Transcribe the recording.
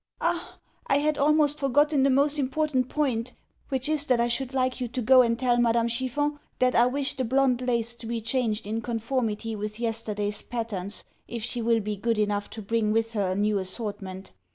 Ah! I had almost forgotten the most important point which is that I should like you to go and tell Madame Chiffon that I wish the blond lace to be changed in conformity with yesterday's patterns, if she will be good enough to bring with her a new assortment.